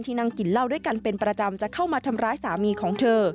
นั่งกินเหล้าด้วยกันเป็นประจำจะเข้ามาทำร้ายสามีของเธอ